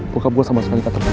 bokap gue sama suami katerpun